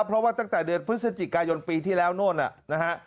เพราะว่าตั้งแต่เดือนพฤศจิกายนปีที่แล้วโน่นนะฮะ